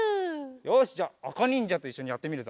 よしじゃああかにんじゃといっしょにやってみるぞ。